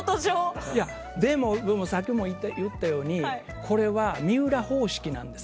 でも、さっきも言ったようにこれは水卜方式なんです。